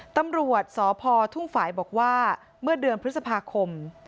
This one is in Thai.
ตำรวจสพทุ่งฝ่ายบอกว่าเมื่อเดือนพฤษภาคม